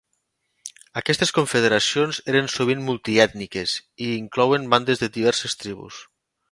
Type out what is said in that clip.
Aquestes confederacions eren sovint multiètniques i hi inclouen bandes de diverses tribus.